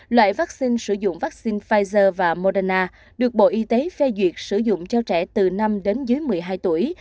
loại vaccine sử dụng vaccine pfizer và moderna được bộ y tế phê duyệt sử dụng cho trẻ từ năm đến dưới một mươi hai tuổi